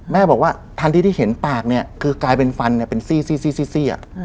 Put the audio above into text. แม่บอกว่าทันทีที่เห็นปากเนี่ยคือกลายเป็นฟันเป็นซี่